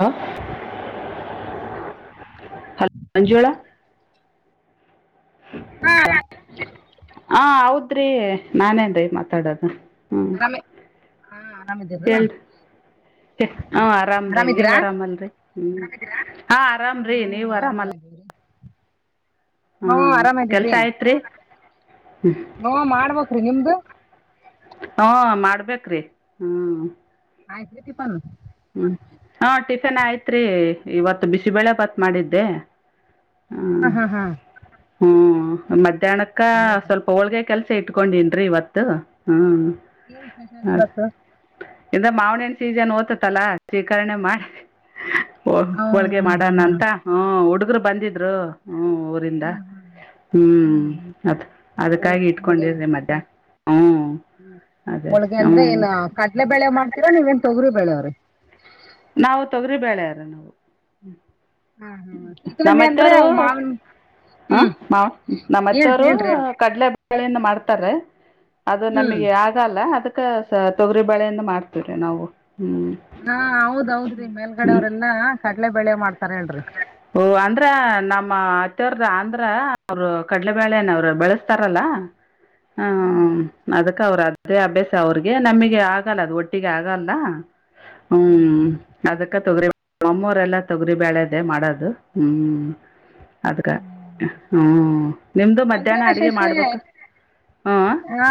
ಹ ಹಾ ಅ ಮಂಜುಳ [inaudible] ಹಾ ಹೌದು ಅರಿ ನಾನೇನ್ ರಿ ಮಾತಾಡೋದು ಹ್ಮ್ ಹರಾಮೆ ಹಾ ಆರಾಮ್ದೇವ್ರಿ ಹ ಹಾ ಆರಾಮ್ರೀ ನೀವ್ ಆರಾಮಲ್ರರಿ ಹ್ಮ ಹಾ ಆರಾಮ್ರೀ ನೀವು ಹ್ಮ್ ಆರಾಮ ಆರಾಮಲ್ಲ ಇದೀವ್ರಿ ಹಾ ಕೆಲ್ಸ ಆಯ್ತ್ರಿ ನೋ ಮಾಡ್ಬ್ರಿ ನಿಮ್ದು ಹಾ ಮಾಡ್ಬೇಕ್ರೀ ಹ್ಮ್ ಆಯ್ತು ತಿಪನ್ ಹ್ಮ್ ಹಾ ಟಿಫಿನ್ ಆಯ್ತ್ರಿ ಇವತ್ತು ಬಿಸಿಬಳೆ ಭತ್ ಮಾಡಿದ್ದೆ ಹ್ಮ ಹ್ಮ್ ಹಾ ಹಾ ಹ್ಮ್ ಮತ್ತ ತಣಕ್ಕ ಹೌದಾ ಸ್ವಲ್ಪ ಹೋಳಿಗೆ ಕೆಲ್ಸ ಇಟ್ಕೊಂಡನ್ರಿ ಇವತ್ತು ಹ್ಮ್ ಏನ್ ಖುಷಾಲ ಇವತ್ತು [unintelligible] [inaudible] ಇದ ಮಾವಣ್ಣನ್ ಸೀಜನ್ ಓ್ತದೆ ತಲಾ ಸ್ವೀಕರಣೆ ಮಾಡಿ ಹಾ ಹೋಳಿಗೆ ಹಾ ಹಾ ಮಾಡಣಂತ ಹ ಹುಡು ಹಗರು ಬಂದಿದ್ರು ಹ್ಮ ಊರಿಂದ ಹ್ಮ್ ಹ್ಮ್ ಹ್ಮ್ ಅತ್ ಅದ್ಕ್ಕಾಗಿ ಇಟ್ಕೊಂಡಿರ್ರಿ ಮಧ್ಯಾಹ್ನ ಹ್ಞೂ ಹ್ಮ ಅದೇ ಹೋಳಿಗೆ ಹ್ಞೂ ಅಂದ್ರೆ ಏನ್ ಕಟ್ಲೆ ಬೆಳೆ ಮಾಡ್ತೀರಾ ನೀವೇನ್ ತೊಗರಿ ಬೆಳೆವ ಹ [inaudible] ನಾವು ತೊಗರಿ ಬೆಳರ ನಾವು ಹಾ ಹಾ ಚಿಕಣಿ ಅಂದ್ರೆ ನಮ್ಮತ್ತರು ಮಾವಿನ ಹ ಹ್ಮ್ ಏನ್ ನಮ್ಮತ್ತವರು ಹೇಳ್ರಿ ಹೇಳ್ರಿ ಕಡಲೆ ಳೆಯನ್ನು ಮಾಡ್ತಾರ ಅದು ಹ್ಮ್ ನಮಗೆ ಆಗಲ್ಲ ಅದ ತೊಗರಿ ಬಾಳೆಯಿಂದ ಮಾಡ್ತೀವ್ರ ನಾವು ಹ್ಮ್ ಹೌದೌದ್ರೀ ಮೇಲ್ಗಡ ಅವ್ರಲ್ಲಾ ಕಳೆ ಬೆಳೆ ಮಾಡ್ತಾರ ಹೇಳರಿ ಓ ಅಂದ್ರ ನಮ್ಮ ಅತ್ತೆವ್ರದ ಅಂದ್ರ ಅವರು ಕಡ್ಲೆಬೇಳೆನ ಅವರು ಬೆಳೆಸ್ತಾರಲ್ಲ ಹ್ಮ್ ಹ್ಮ ಅದಕ್ಕ ಅವರ ಅ ಅದೇ ಅಭ್ಯಾಸ ಅವ್ರಿಗೆ ನಮಗೆ ಆಗಲ್ಲ ಅದು ಒಟ್ಟಿಗೆ ಆಗಲ್ಲ ಹ್ಮ್ ಅದಕ್ಕೆ ತೊಗರಿ ಒಮ್ಮೂರೆಲ್ಲ ತೊಗರಿ ಬೆಳೆದೇ ಮಾಡೋದು ಹ್ಮ್ ಅದ್ಗ ಹ್ಮ ನಿಮ್ದು ಅಂದ್ರೆ ಮಧ್ಯಾಹ್ನ ಅಡಿಗೆ ಶಶಿ ಮಾಡ್ಬೇಕು ಹಾಂ ಹಾ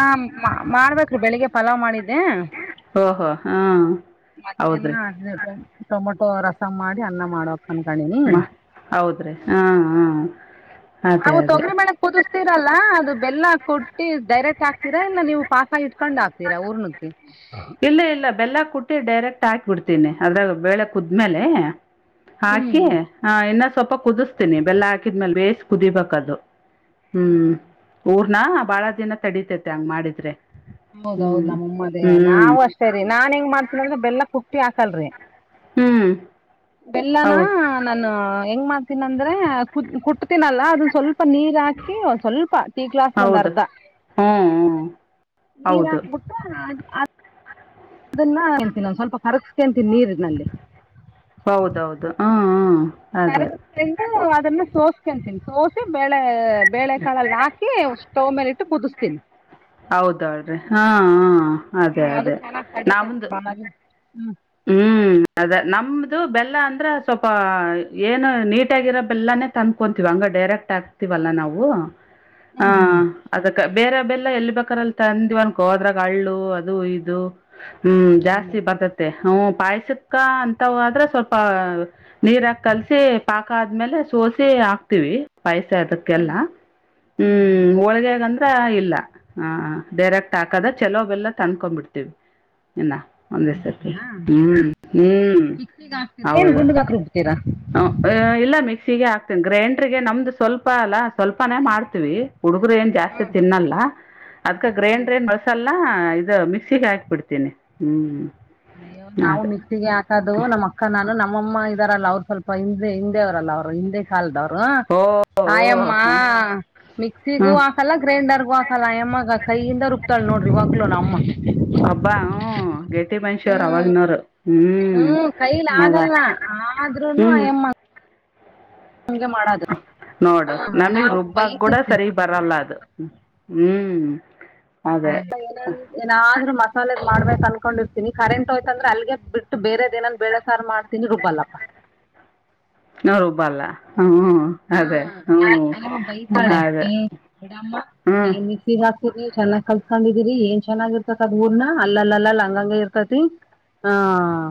ಓಹೋ ಹಾಂ ಮತ್ತ ಹೌದ್ರಿ ಟೊಮಟ [inaudible] ರಸ ಮಾಡಿ ಅನ್ನ ಮಾಡ ಹ ಹೌದ್ರಿ ಹಾ ಹ್ಮ ಅವು ತೊಗರಿ ಮಾಡಕ್ ಹತ ಇದೀರಲ್ಲ, ಆ ತೊಗರಿಗೆ ಬೆಲ್ಲವನ್ನು ಡೈರೆಕ್ಟ್ ಹಾಕ್ತೀರಾ? ಇಲ್ಲ ಪಾಕ ಮಾಡಿಕೊಂಡು ಹಾಕ್ತೀರಾ ಊರ್ನಕ್ಕೆ ಇಲ್ಲ- ಇಲ್ಲ ಬೆಲ್ಲ ಕುಟ್ಟಿ ಡೈರೆಕ್ಟ್ ಹಾಕಿ ಬಿಡ್ತೀನಿ ಅದ್ರಾಗ ಬೇಳೆ ಕುದ್ಮೇಲೆ ಹಾಕೆ ಹ ಇನ್ನ ಸ್ವಲ್ಪ ಕುದಿಸ್ತೀನಿ ಬೆಲ್ಲ ಹಾಕಿದ್ಮೇಲೆ ಬೇಸ್ ಕುದಿಬೇಕ ಅದು ಹ್ಮ್ ಅವ ನ ಬಹಳ ದಿನ ತಡಿತೇತೆ ಹಂಗ್ ಮಾಡಿದ್ರೆ ಹೌದೌದು ನಮ್ಮಮ್ಮದೇ ನಾವವು ಅಷ್ಟೇರಿ ನಾನ್ ಹೆಂಗ್ ಮಾಡ್ತನ ಅಂದ್ರ ಬೆಲ್ಲ ಕುಟ್ಟ ಹಟ್ಟಿ ಹಾಕಲ್ರರಿ ಹ್ಞೂ ಬೆಲ್ಲನ ಹೌದು ನಾನು ಹೆಂಗ ಮಾಡ್ತೀನ ಅಂದ್ರೆ ಕುಟ್ತನಲ್ಲ ಅದನ್ನ ಸ್ವಲ್ಪ ನೀರ್ ಹಾಕಿ ಸ್ವಲ್ಪ ಟೀ ಗ್ಲಾಸ್ಗೆ ಹೌದು ಹ್ಮ್ ನೀರ್ ಹಾಕ್ಬಿಟ್ಟ ಆ ಆ ಅದನ್ನ ಅಂತೀನಿ ಒ್ ಸ್ವಲ್ಪ ಕರಸ್ಕಂತೀ ನೀರಿನಲ್ಲಿ ಹೌದೌದು ಹ್ಮ ಕರ ಅದನ್ನ ಸೋ ತೀನಿ ಸೋಸೆ ಬೆಳೆ ಬೇಳೆಕಾಳಲ್ಲಿ ಹಾಕಿ ಸ್ಟೌವ್ ಮೇಲೆ ಇಟ್ಟು ಕುದಿಸ್ತೀನಿ ಹೌದಲ್ರಿ ಹಾಂ ಹಾಂ ಹ್ಮ ಅದೇ ಅದು ಅದೇ ಚೆನ್ನಾಗ್ ತಡತೈತಿ ನಾವೊಂದು ಮನಾಗ ಹ್ಮ್ ಹ್ಮ್ ಅದ ನಮ್ದು ಬೆಲ್ಲ ಅಂದ್ರ ಸ್ವಲ್ಪ ಏನು ನೀಟಾಗಿರ ಬೆಲ್ಲನೇ ತಂದ್ಕೊಂತೀವ ಹಂಗ ಡೈರೆಕ್ಟ್ ಆಗ್ತಿವಲ್ಲ ನಾವು ಹಾ ಹ್ಞೂ ಅದಕ್ಕ ಬೇರೆ ಬೆಲ್ಲ ಎಲ್ಲಿ ಬೇಕಾರಲ್ಲಿ ತಂದಿವ ಒನ್ಗೆ ಹೋದ್ರಾಗ ಹಳ್ಳು ಅದು ಇದು ಹ್ಮ್ ಹ್ಞೂ ಜಾಸ್ತಿ ಬತ ಹ ಪಾಯಸಕ್ಕ ಅಂತ ಆದ್ರೆ ಸ್ವಲ್ಪ ನೀರಾಕ ಕಲ್ಸಿ ಪಾಕ ಆದ್ಮೇಲೆ ಸೋಸಿ ಹಾಕ್ತಿವಿ ಪೈಸೆ ಅದಕ್ಕೆಲ್ಲ ಹ್ಞೂ ಹ್ಞೂ ಹ್ಮ್ ಹೋಳ್ಗೆಗಂದ್ರ ಇಲ್ಲ ಹಾ ಡೈರೆಕ್ಟ್ ಹಾಕದ ಚಲೋ ಬೆಲ್ಲ ತಂದಕೊ್ಬಿಡ್ತೀವಿ ಇಲ್ಲ ಒಂದ ಸರ್ ಹಾ ಮಿಕ್ಸಿಗೆ ಹಾಕ್ತಿರಾ ಹೌದು ಗುಂಡಗ್ ಹಾಕ ಹ ಬಿಡ್ತರಾ ಇಲ್ಲ ಮಿಕ್ಸಿಗೆ ಹಾಕ್ತೀನಿ ಗ್ರೈಂಡರ್ಗೆ ನಮ್ದು ಸ್ವಲ್ಪ ಅಲ್ಲ ಸ್ವಲ್ಪನೇ ಮಾಡ್ತೀವಿ ಹುಡುಗರು ಏನ್ ಹ್ಞೂ ಜಾಸ್ತಿ ತಿನ್ನಲ್ಲ ಅದ್ಕ ಹ್ಞೂ ಗ್ರೈಂಡರ್ ಏನ್ ಬಳಸಲ್ಲ ಮಿಕ್ಸಿಗೆ ಹಾಕ್ಬಿಡ್ತೇನಿ ಹ್ಮ್ ಅಯ್ಯೋ ನಾವು ಅದು ಮಿಕ್ಸಿಗೆ ಹಾಕುದು ನಮ್ಮ ಅಕ್ಕ ನಾನು ನಮ್ಮ ನಮ್ಮಮ್ಮ ಇದ್ದಾರಲ್ಲ ಅವ್ರು ಸ್ವಲ್ಪ ಹಿಂದೆ ಹಿಂದೆ ಅವರ್ರಲ್ಲ ಅವ್ರು ಹಿಂದೆ ಕಾಲದವ್ರು ಓ ಆಯಮ್ಮ ಹ್ಮ್ ಮಿಕ್ಸಿಗೂ ಹ್ಮ್ ಹಾಕಲ್ಲ ಗ್ರೈಂಡರ್ಗೂ ಹಾಕಲ್ಲ ಅಯಮ್ಮ ಹಾಕ ಕೈಯಿಂದ ರುಕ್ತಾಳ ನೋಡ್ರಿ ಇವಾಗ್ಲೋ ನಮ ಅಮ್ಮ ಹಬ್ಬಾ ಹ ಮನ್ಷ ಅವರ ಆವಾಗಿನ ಹ್ಮ್ ಕೈಲಿ ಆಗಲ್ಲ ಆದ್ರೂನು ಹ್ಮ್ ಅಯಮ್ಮ ನೋಡು ಹ, ನಮಗ್ ನಾವು ರುಬ್ಬಕ್ ಕೂಡ ಬೈತಿರ್ತೀವಿ ಸರಿಗ್ ಬರಲ್ಲ ಅದು ಹ್ಮ್ ಆ ಅದೇ ಏನ ಏನಾದ್ರರು ಮಸಾಲೆ ಮಾಡ್ಬೇಕಕ್ ಅನ್ಕೊಂಡಿರ್ತೀನಿ ಕರೆಂಟ್ ಹೋಯ್ತಂದ್ರ ಅಗೆ ಬಿಟ್ಟು ಬೇರೆದೇನನ್ ಬೇಳೆಸಾರ ಮಾಡ್ತೀನಿ ರುಬ್ಬಲ್ಲ ನಾ ರುಬ್ಬಲ್ಲ ಹ್ಮ್ ಅದೇ ಹಾ ಅಯ್ಯಮ್ಮ ಹ್ಮ ಬೈತಾಳೆ ಅದೇ ಏ ಹ್ಮ್ ರಿ ಚೆನ್ನಾಗ್ ಕಲ್ಸ್ಕೊಂಡಿದೀರಿ ಏನ್ ಚೆನ್ನಾಗಿರ್ತತಿದ್ ಊರ್ನ ಅಲ್ಲಲ್ಲಲ್ಲಾ ಲಂಗಂಗ ಇರ್ತತಿ ಹ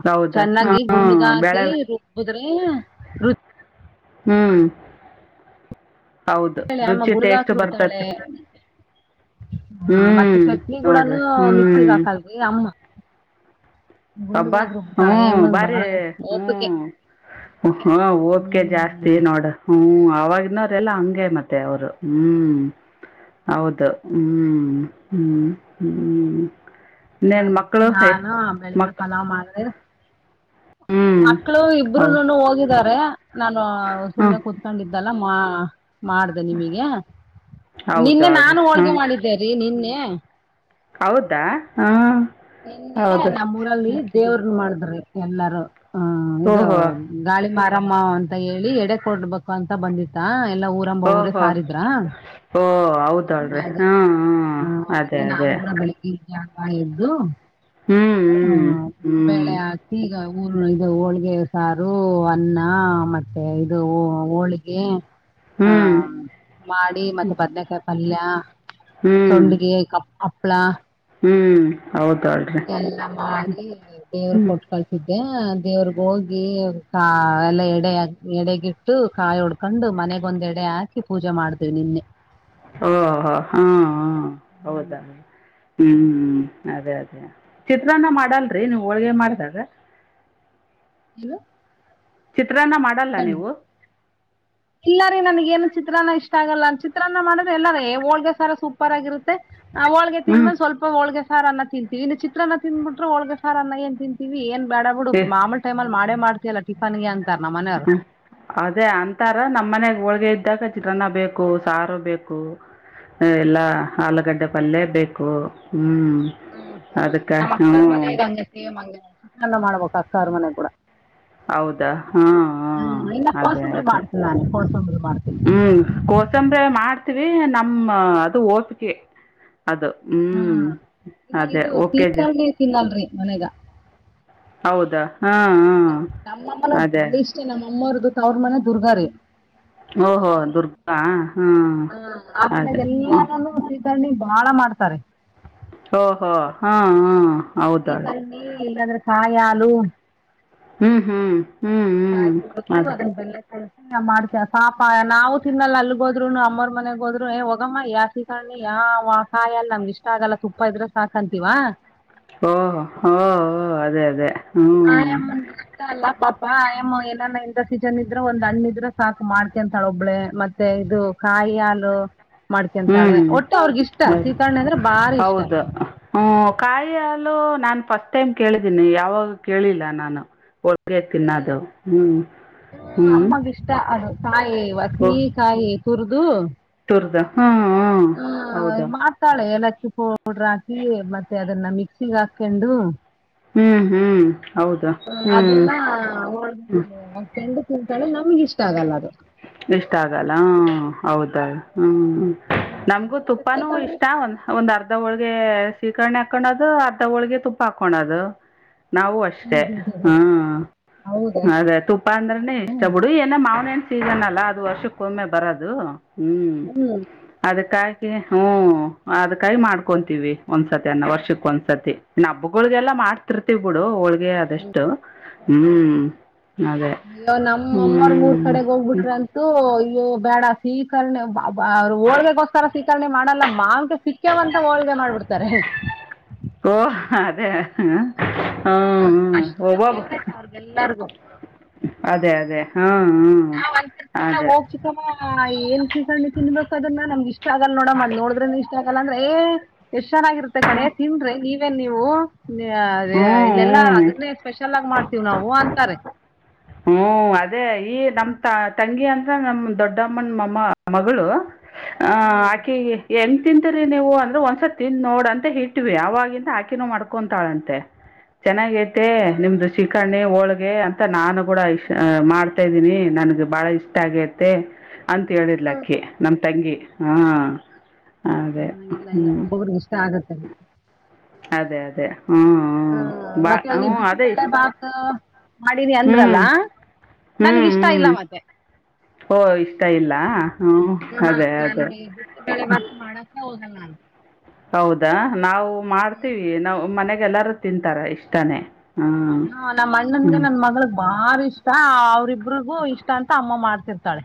ಹೌದ ಚೆನ್ನಾಗಿ ಹ್ಮ್ ಗುಂಡಗ ಬೆಳೆ ಹಾಕಿ ರುಬ್ಬ ಅದ್ನಿ ರು [unintelligible] ಹ್ಮ್ ಹೌದು ಅಮ್ಮ ರುಚಿ ಟೇಸ್ಟ್ ಬರ್ತತಿ ಹ ಮತ್ತೆ ಹ್ಮ್ ಚಟ್ನಿ ಕೂಡನು ನೋಡ್ರಿ ಮಿಕ್ಸಿಗ್ ಹ್ಮ್ ಹಾಕಲ್ವಿ ಅಮ್ಮ ಹಬ್ಬಾ ಗುಂಡ್ಗಾಕಿ ಹ್ಮ ರುಬ್ತಾಳೆ ಏಮ ಬಾರಿ ಬಾಳ ಓಪಿಕೆ ಹ್ಮ ಹ ಓದಿಕೆ ಜಾಸ್ತಿ ಹ್ಮ್ ನೋಡ ಹ್ಮ ಆವಾಗಿನವರೆಲ್ಲ ಹಂಗೇ ಮತ್ತೆ ಅವರು ಹ್ಮ್ ಹೌದು ಹ್ಮ್ ಹ್ಮ್ ಹ್ಮ್ ಹಾಗ ನಾನು ಗೆ ಪಲಾವ್ ಮಾಡ್ರೆ ಹ್ಞೂ ಮಕ್ಳು ಹೌದು ಇಬ್ರುನು ಹೋಗಿದಾರ ಹ ನಾನು ಸುಮ್ಮ್ನೆ ಕೂತ್ಕೊಂಡಿದ್ದಲ್ಲ ನಾಮ [unintelligible] ಮಾಡ್ದ ನಿಮಗ ಹ್ಞೂ ಹೌದು ನಿನ್ನೆ ಅಳ್ರಿ ನಾನು ಹ್ಞೂ ಹೋಳ್ಗೆ ಮಾಡಿದ್ದೇರಿ ನಿನ್ನೆ ಹ್ಮ [inaudible] ಹೌದಾ ಹ ನಿನ್ನೆ ನಮ್ಮೂಊರಲ್ಲಿ ದೇವ್ರನ್ನ ಮಾಡುದು ರಿ ಎಲ್ಲಾರೂ ಹ ಇದು ಓಹೋ ಗಾಳಿ ಮಾರ [unintelligible] ನಮ್ಮ ಅಂತ ಹೇಳಿ ಎಡೆ ಕೊಡ್ಬೇಕು ಅಂತ ಬಂದಿತ್ತ ಓಹೋ ಓ ಹೌದಳ್ರಿ ಹ್ಮ್ ಹ್ಮ್ ಅದೇ ಅದೇ ಯಾಪ ಇದ್ದು ಹ್ಞೂ ಹ ಹ್ಞೂ ಬೆಳೆ ಈಗ [unintelligible] ಊರು ಇದು ಹೋಳ್ಗೆ ಸಾರು ಅನ್ನ ಮತ್ತೆ ಇದು ಹೋಳ್ಗೆ ಹ್ಞೂ ಹ್ಞೂ ಹ್ಮ ಮಾಡಿ ಮತ್ತೆ ಬದನೇಕಾಯಿ [unintelligible] ಅಲ್ಲಾ ಹ್ಞೂ ಸೊಂಡಿಗೆ [unintelligible] ಹಪ್ಪಳ ಹ್ಮ್ ಎಲ್ಲಾ ಮಾಡಿ ದೇವ್ರ ಹ್ಞೂ ಕೊಟ್ ಕಳ್ಸಿದ್ದ ಮತ್ತ ದೇವ್ರಗ ಹೋಗಿ ಕಾ ಎಲ್ಲ ಎಡೆ ಎಡೆಗಿಟ್ಟು ಕಾಯಿ ಉಡ್ಕೊಂಡು ಮನೆಗೊಂದ್ ಎಡೆ ಹಾಕಿ ಪೂಜೆ ಮಾಡ್ತೇವಿ ನಿನ್ನೆ ಓಹೋ ಹಾ ಹಾ ಹ ಹೌದಾ ಹ್ಮ್ ಅದೇ ಅದೇ ಚಿತ್ರಾನ್ನ ಮಾಡಲ್ರಿ ನೀವ್ ಹೋಳ್ಗೆ ಮಾಡ್ದಾಗ. ಇನು. ಚಿತ್ರಾನ್ನ ಮಾಡಲ್ಲ ನೀವು ಇಲ್ಲ ರೀ ನನ್ಗ ಏನು ಚಿತ್ರನ್ನಾ ಇಷ್. ಇಷ್ಟ ಆಗಲ್ಲ ನ ಚಿತ್ರಾನ್ನ ಮಾಡಿದ್ರೆ ಎಲ್ಲಾರು ಹೋಳ್ಗೆ ಸಾರು ಸೂಪರ್ ಆಗಿರುತ್ತೆ. ಆ ಹೋಳ್ಗೆ ಹ್ಞೂ ತಿಂದ್ಮೇಲೆ ಸ್ವಲ್ಪ ಹೋಳ್ಗೆ. ಸಾರ್ ಅನ್ನ ತಿಂತೀವಿ ಇನ್ನ್ ಚಿತ್ರನನ್ನ ತಿಂಬಿಟ್ರೆ ಹೋಳ್ಗೆ ಸಾರ್ ಅನ್ನ ಏನ್ ತಿಂತೀವಿ ಏನ್. ಬ್ಯಾಡ ಬಿಡು ಏ ಮಾಮೂಲ್ ಟೈಮ್ ಅಲಿ ಮಾಡೆ ಮಾಡ್. [unintelligible] ಟಿಫನ್ ಗೆ ಅಂತರ್ ಹ ಅದೇ ಅಂತಾರ ನಮ್ಮ್ ಮನೆಗ್ ಹೋಳ್ಗೆ ಇದ್. [unintelligible] ಚಿತ್ರಾನ್ನ ಬೇಕು ಸಾರು ಬೇಕು ಎಲ್ಲಾ ಆಲೂಗಡ್ಡೆ ಪಲ್ಯ ಬೇಕು. ಹ್ಞೂ ಹ್ಮ್ ಹ್ಮ್ ಅದಕ್ಕೆ ನಮ್ಮ ಹ್ಞೂ ಅಕ್ಕ್ರ ಮನೆಗ ಹಂಗೆ ಸೇಮ್. [inaudible] [unintelligible] ಮಾಡ್ಬೇಕು ಅಕ್ಕಾರ ಮನೆ ಕೂಡ. ಹೌದಾ ಹಾ ಹ ಹ್ಮ್ ಇಲ್ಲ ಅದೇ ಕೋಸಂಬರಿ ಅದೇ ಮಾಡ್ತೀನಿ ನಾನು ಕೋಸಂಬರಿ ಮಾಡ್ತೀನಿ ಹ್ಮ್ ಕೋಸಂಬ್ರೆ ಮಾಡ್ತೆ. ರೀ ನಮ್ಮ ಅದು ಓಪಿಕೆ. ಅದು ಹ್ಮ್ ಇಲ್ಲ ಅದೇ ಇದು ಓಕೆ ಜ. ಸೀತಾಳ್ಗೆ ತಿನ್ನಲ್ರಿ ಮನೆಗ. ಹೌದಾ ಹಾ. ನಮ್ಮಮ್ಮನ ಬಲು ಇಷ್ಟೇ ನಮ್ಮವ್ರುದು. ತವ್ರ ಮನೆ ದುರ್ಗಾರಿ. ಓ ಓ ದುರ್ಗಾ. ಹಾಂ ಹ ಕಡೆ ಅದೇ ಹ್ಞೂ ಎಲ್ಲಾರನು. [unintelligible] ಬಾಳ ಮಾಡ್ತಾರೆ. [unintelligible] ಇಲ್ಲಂದ್ರೆ ಕಾಯಿ ಹಾಲು ಹ್ಮ್ ಹ್ಮ್ ಆಯ್ತು ಅದನ್ನ ಬೆಲ್ಲ ಕ ಮಾಡ್ತ ಸಾಪ ನಾವು ತಿನ್ನಲ್ಲ ಅಲ್ಲಿ ಹೋದ್ರುನು ಅಮ್ಮ್ರ ಮನೆಗ್ ಹೋದ್ರು ಹೋಗಮ್ಮ ಯಾ ಸೀಕ್ಣಿ ಯಾವ ಕಾಯ ಅಲ್ ನಮ್ಗೆ ಇಷ್ಟ ಆಗಲ್ಲ ತುಪ್ಪ ಇದ್ರೆ ಸಾಕಂತೀವ ಓ ಓ ಅದೇ ಅದೇ ಹ್ಞೂ ಅಯ್ ಅಮ್ಮನಿಗೆ ಇಷ್ಟ ಅಲ್ಲ ಪಾಪ ಹಾ ಮ್ಮ ಏನಾನ ಇ ಸೀಜನ್ ಇದ್ರೆ ಒಂದ್ ಹಣ್ಣಿದ್ರೆ ಸಾಕು ಮಾಡ್ತ ಅಂತಾಳ ಒಬ್ಬಳೆ ಮತ್ತೆ ಇದು ಕಾಯಿ ಹಾಲು ಹ್ಞೂ ಮಾಡ್ಕಂತಾಳೆ ಒಟ್ಟು ಅವ್ರಗ ಇಷ್ಟ ಹೌದು ಶೀಖರ್ಣಿ ಅಂದ್ರೆ ಬಾರಿ ಇಷ್ಟ ನ ಫಸ್ಟ್ ಟೈಮ್ ಕೇಳಿದೀನಿ ಯಾವಾಗ ಕೇಳಿಲ್ಲ ನಾನು ಹಾಗೆ ತಿನ್ನದು ಹ್ಮ್ ಹ್ಮ್ ಕಾಯ ವಸಿ ಕಾಯ ಉರ್ದು ಹಾ ಹ್ಮ ಮಾಡ್ತಾಳೆ ಎಲ್ಲ ಪೌಡ್ರ ಹಾಕಿ ಮತ್ತೆ ಅದನ್ನ ಮಿಕ್ಸಿಗೆ ಆಕೆಂಡು ಹ್ಮ್ ಹ್ಮ್ ಹ ಅದನ್ನಕಂಡು ತಿಂತಳೆ ನಮಗಿಷ್ಟ ಇಷ್ಟ ಆಗಲ್ಲ ಅದು ಇಷ್ಟ ಆಗಲ್ಲ ಹೌದ ಹ್ಮ್ ಹ್ಮ ನಮಗು ತುಪ್ಪಾನೂ ಇಷ್ಟ ಒಂದ ಒಂದ್ ಅರ್ಧ ಅರ್ಧ ಹೋಳಗೆ ಸೀಕರ್ಣಿ ಹಾಕಳದು ಅರ್ಧ ಹೋಳಗೆ ತುಪ್ಪ ಹಾಕಳದು ನಾವು ಅಷ್ಟೇ ಹ್ಮ್ ಅದೆ ತುಪ್ಪ ಅಂದ್ರೆ ಇಷ್ಟ ಬಿಡು ಏನ ಮಾವನ ಹೆಣು ಸೀಜನ್ [unintelligible] ಅಲ್ಲ ಅದು ವರ್ಷಕ್ಕೊಮ್ಮೆ ಬರದು ಹ್ಮ್ ಅದಕಾಯ್ ಹ್ಮ್ ಅದ್ಕೈ ಮಾಡ್ಕೊಂತೀವಿ ಒಂದ್ಸತಿ ಅನ್ನ ವರ್ಷಕ್ಕ ಒಂದ್ಸರ್ತಿ ಹಬ್ಬಗಳಗೆಲ್ಲಾ ಮಾಡ್ತಿರ್ತಿೀವಿ ಬಿಡು ಹೋಳ ಆದಷ್ಟು ಹ್ಮ್ ಅಯ್ಯೋ ನಮ್ಮಮ್ಮರ್ ಮೂರ್ ಕಡೆಗ್ ಹೋಗ್ಬಿಟ್ರ ಅಂತ ಅಯ್ಯೋ ಬೇಡ ಸೀಕರ್ಣಿ ಅವರು ಹೋಳ್ಗಗೋಸ್ಕರ ಸೀಕರ್ಣಿ ಮಾಡಲ್ಲ ಮಾಂಗೆ ಸಿಕ್ಕವಂತ ಹೋಳ್ಗೆ ಮಾಡ್ಬಿಡ್ತಾರೆ ಓ ಅದೇ ಹ್ಮ್ ವ ಅದೇ ಅದೇ ಹ್ಞೂ ಹ್ಞೂ ಅದೇ ಹೋಗ ಚಿಕಮ್ಮ ಏನ್ ಸಿಕೊಂಡಿ ತಿನ್ಬೇಕು ಅದನ್ನ ನಮ್ಗ ಇಷ್ಟ ಆಗಲ್ಲ ನೋಡಮ್ಮ ಅದ್ ನೋಡ್ದ್ರೇನೆ ಇಷ್ಟ ಆಗಲ್ಲ ಏ ಎಷ್ಟ್ ಚೆನ್ನಾಗಿರುತ್ತೆ ಕಣೆ ತಿನ್ರೆ ನೀವೇನ್ ನೀವು ಅದ ಹ್ಞೂ ಇಲ್ಲೆಲ್ಲಾ ಹ್ಞೂ ಅದನ್ನೇ ಸ್ಪೆಷಲ್ ಆಗಿ ಮಾಡ್ತೀವ್ ನಾವು ಅಂತಾರೆ ಹ್ಮ್ ಅದೇ ಈ ನಮ ತ ತಂಗಿ ಅಂದ್ರ ನಮ ದೊಡ್ಡಮ್ಮನ ಮಮ್ಮ ಮಗಳು ಹ್ಮ್ ಆಕಿ ಎನ್ ತಿಂತಿರಿ ನೀವು ಅಂದ್ರೆ ಒಂದ್ಸತ್ ತಿಂದ್ ನೋಡಂತ ಇಟ್ವಿ ಅವವಾಗಿಂದ ಆಕಿನು ಮಾಡ್ಕೊಂತಾಳಂತೆ. ಚೆನ್ನಾಗೈತೆ ನಿಮ್ದು ಶಿಕರ್ಣಿ ಹೋಳ ಅಂತ ನಾನು ಕೂಡ ಇ ಮಾಡ್ತಾ ಇದ್ದೀನಿ ನನ್ಗ್ ಬಹಳ ಇಷ್ಟ ಆಗೈತೆ ಅಂತ ಹೇಳಿರ್ಲಕ್ಕೆ ನಮ ತಂಗಿ ಹಾ ಅದೇ ಹ್ಮ್ ಸರಿ ಅದೇ ಅದೇ ಹ್ಞೂ ಹ ಹ್ಞೂ ಬಾ ಮತ್ತೆ ಹ್ಞೂ ಅವನಿಗೆ ಅದೇ ಬಿಸಿಬೇಳೆ ಇಷ್ಟ ಬಾತ್ ಮಾಡೀನಿ ಹ್ಞೂ ಅಂದ್ರಲ್ಲ ನನ್ಗಿಷ್ಟ ಇಲ್ಲ ಮತ್ತೆ ಹೋ ಇಷ್ಟ ಇಲ್ಲ ಹ್ಞೂ ಹ ಅದೇ ಅದೇ ನನ್ಗೆ ಬಿಸಿ ಬೆಳೆ ಬಾತ್ ಮಾಡಕೆ ಹೋಗಲ್ಲ. ಹೌದಾ ನಾವು. ಮಾಡ್ತೀವಿ ನಾವು ಮನೆಲ್ ಎಲ್ಲಾರು ತಿಂತಾರ ಇಷ್ಟಾನೇ. ಹಾ ನಮ್ ಅಣ್ಣನ್ಗೆ ನನ್ ಮಗ್ಳಗ್ ಬಾರಿ ಇಷ್ಟ ಅವ್ರಿಗ್ ಇಬ್ಬರುಗು ಇಷ್ಟ ಅಂತ ಅಮ್ಮ ಮಾಡ್ ಇರ್ತಾಳೆ.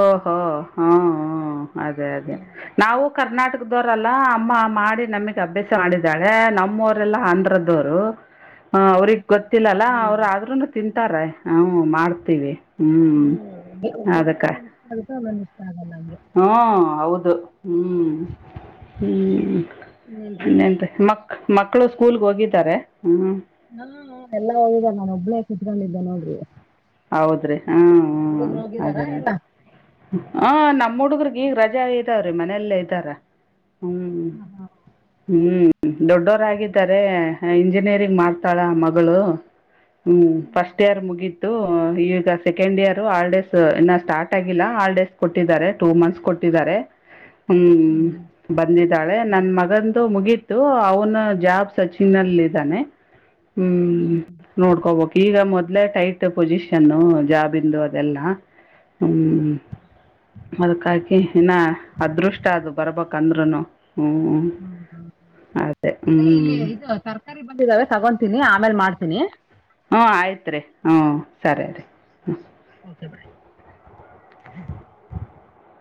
ಓ ಹೊ ಹ ಹ್ಮ್. ಅದೇ ಅದೇ ನಾವು ಕರ್ನಾಟಕದವ್ರಲ್ಲ ಅಮ್ಮ ಮಾಡಿ ನಮಿಗ್ ಅಭ್ಯಾಸ ಮಾಡ್ಸಿದ್ದಾಳೆ ನಮ್ವರೆಲ್ಲ ಆಂಧ್ರದೊರು ಅ ಅವ್ರಿಗ್ ಗೊತ್ತಿಲ್ಲಲ್ಲಾ ಅವ್ರ ಆದ್ರೂನು ತಿನ್ ತರೆ ಹು ಮಾಡ್ತೀವಿ ಹ್ಮ ಅದಕ್ಕ. ಸ್ವಲ್ಪ ವನ್ನಿಸ್ಟಾಕ್. ಹು ಹೌದು ಹ್ಮ ಹ್ಮ. ಇನ್ನೆಂತೆ ಮ ಮಕ್ಳು ಸ್ಕೂಲ್ಗ ಹೋಗಿದರೆ. ನ ಹು. ಎಲ್ಲಾ ಹೋಗಿದರ್ ನಾನು ಒಬ್ಳೇ ಇಲ್ ಕುತ್ಕೊಂಡಿದ್ದೆ ನೋಡ್ರಿ. ಹೌದ್ರೀ. ಹುಡುಗ್ರ್ ಹೋಗಿದರಾ ಎಲ್ಲ. ಹ ನಮ್ಮ್ ಹುಡುಗ್ರಗ್ ಈಗ ರಜಾ ಇದಾವ್ರೀ ಮನೆಯಲ್ಲೇ ಇದ್ದಾರ. ಹ್ಮ್ ಹ್ಮ್. ದೊಡ್ಡೋರಾಗಿದ್ದಾರೆ ಇಂಜಿನಿಯರಿಂಗ್ ಮಾಡ್ತಾಳ ಮಗಳು. ಹ್ಮ್ ಫಸ್ಟ್ ಇಯರ್ ಮುಗಿತ್ ಈಗ ಸೆಕೆಂಡ್ ಇಯರ್ ಹಾಲಿಡೇಸ್ ಇನ್ನ ಸ್ಟಾರ್ಟ್ ಆಗಿಲ್ಲ ಹಾಲಿಡೇಸ್ ಕೊಟ್ಟಿದ್ದಾರೆ ಟೂ ಮಂತ್ಸ್ ಕೊಟ್ಟಿದ್ದಾರೆ. ಹ್ಮ್ ಬಂದಿದ್ದಾಳೆ ನನ್ ಮಗಂದು ಮುಗೀತ್ ತು ಅವ್ನ ಜಾಬ್ ಸರ್ಚಿಂಗ್ನಲ್ ಇದ್ದಾನೆ ಹ್ಮ್ ನೋಡ್ಕೋಬೊಕ್ ಈಗ ಮೊದ್ಲೇ ಟೈಟ್ ಟ್ ಪೊಸಿಷನ್ನು ಜಾಬ್ ಇಂದು ಅದೆಲ್ಲ ಹ್ಮ್ ಅದಕ್ಕಾಕಿ ಇನ್ನ ಅದೃಷ್ಟ ಅದು ಬರ್ಬೇಕಂದ್ರುನು ಹ್ಮ್. ಹೌದೌದು ಎ ಹ್ಮ್. ತರ್ಕಾರಿ ಬಂದಿದ್ದಾವೆ ತಗೊಂತೀನಿ ಆಮೇಲ್ ಮಾಡ್ತೀನಿ. ಹ್ಮ ಆಯ್ತ್ರಿ ಹ್ಮ್ ಸರಿ ರೀ. ಚಪ್ರಿ. [unintelligible]